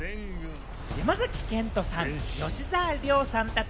山崎賢人さん、吉沢亮さんたち